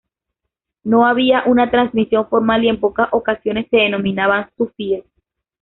No había una transmisión formal, y en pocas ocasiones se denominaban sufíes.